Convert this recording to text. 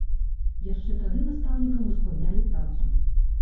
Яшчэ тады настаўнікам ускладнялі працу.